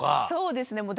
そうですね。